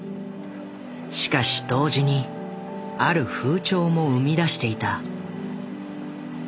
しかし同時にある風潮も生み出していた。